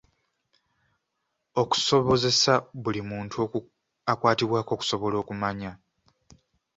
Okusobozesa buli muntu akwatibwako okusobola okumanya.